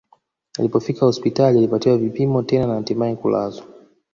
Alipofika hospitali alipatiwa vipimo tena na hatimae kulazwa